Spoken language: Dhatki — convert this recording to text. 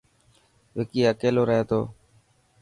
وڪي اڪيلو رهي تو.